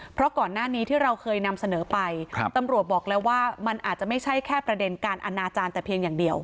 เพราะก่อนหน้านี้ที่เราเคยนำเสนอไปตำรวจบอกแล้วว่ามันอาจจะไม่ใช่แค่ประเด็นการอนาจารย์แต่เพียงอย่างเดียว